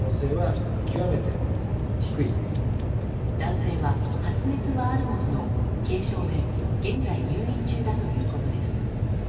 男性は、発熱はあるものの軽症で現在、入院中だということです。